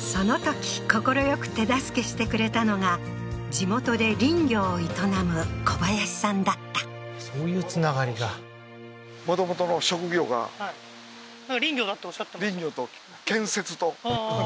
そのとき快く手助けしてくれたのが地元で林業を営む小林さんだったそういうつながりがはい林業だっておっしゃってました